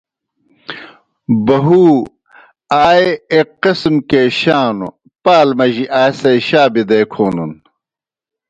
بہُو آئے ایْک قِسم کے شا نوْ۔ پال مجی آئے سے شا بِدے کھونَن۔